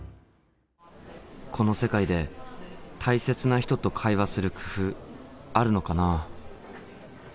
この世界で大切な人と会話する工夫あるのかな？